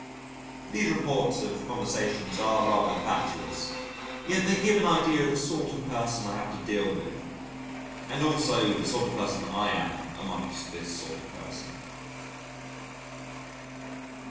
(These reports of conversations are rather fatuous: yet they give an idea of the sort of person I have to deal with, and also the sort of person I am among this sort of person.)